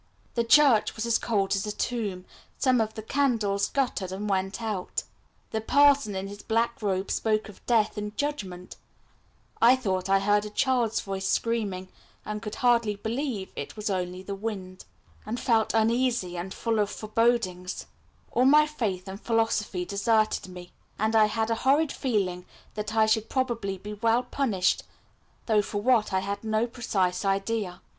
The church was as cold as a tomb; some of the candles guttered and went out; the parson in his black robe spoke of death and judgment; I thought I heard a child's voice screaming, and could hardly believe it was only the wind, and felt uneasy and full of forebodings; all my faith and philosophy deserted me, and I had a horrid feeling that I should probably be well punished, though for what I had no precise idea.